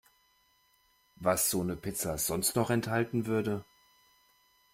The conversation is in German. Was so 'ne Pizza sonst noch enthalten würde.